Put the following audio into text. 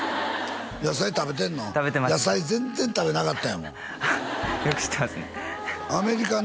野菜全然食べなかったんやもんよく知ってますねアメリカン